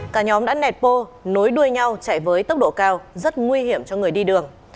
cả nhóm đã nẹt bô nối đuôi nhau chạy với tốc độ cao rất nguy hiểm cho người đi đường